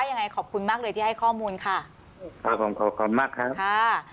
ยังไงขอบคุณมากเลยที่ให้ข้อมูลค่ะครับผมขอขอบคุณมากครับค่ะ